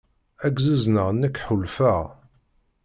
Ad k-zuzneɣ nekk ḥulfaɣ.